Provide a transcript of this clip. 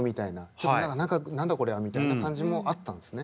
ちょっと何か何だこりゃみたいな感じもあったんですね。